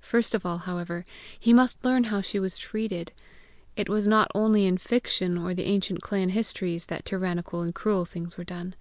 First of all, however, he must learn how she was treated! It was not only in fiction or the ancient clan histories that tyrannical and cruel things were done!